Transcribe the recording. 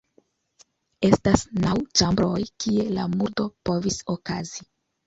Estas naŭ ĉambroj, kie la murdo povis okazi.